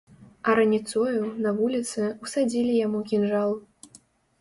А раніцою, на вуліцы, усадзілі яму кінжал.